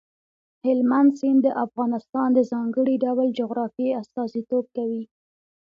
هلمند سیند د افغانستان د ځانګړي ډول جغرافیې استازیتوب کوي.